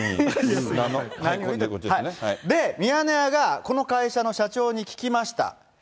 で、ミヤネ屋がこの会社の社長に聞きました。